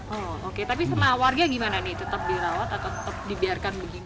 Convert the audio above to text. oh oke tapi sama warga gimana nih tetap dirawat atau tetap dibiarkan begini